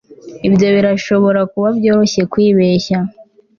Ibyo birashobora kuba byoroshye kwibeshya